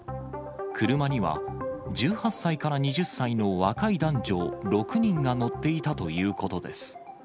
車には１８歳から２０歳の若い男女６人が乗っていたということです。